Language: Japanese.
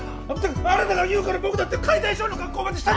あなたが言うから僕だって解体ショーの格好までした。